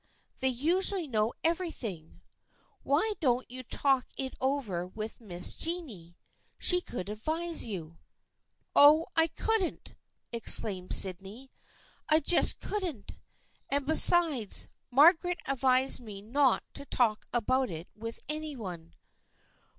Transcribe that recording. They usually know everything. Why don't you talk it over with Miss Jennie? She could advise you." " Oh, I couldn't !" exclaimed Sydney. " I just couldn't. And besides, Margaret advised me not to talk about it with any one."